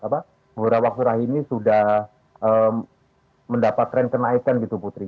beberapa waktu terakhir ini sudah mendapat tren kenaikan gitu putri